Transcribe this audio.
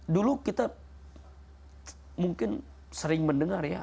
dulu kita mungkin sering mendengar ya